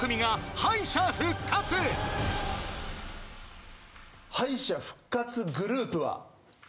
敗者復活グループは。